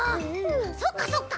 そっかそっか。